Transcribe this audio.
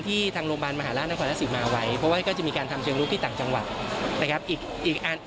ก็ต้องดูว่าหน่วยไหนพอจะมีช่องว่าง